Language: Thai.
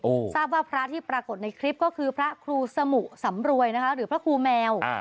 ทราบว่าพระที่ปรากฏในคลิปก็คือพระครูสมุสำรวยนะคะหรือพระครูแมวอ่า